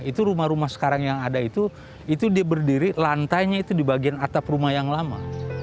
itu rumah rumah sekarang yang ada itu itu dia berdiri lantainya itu di bagian atap rumah yang lama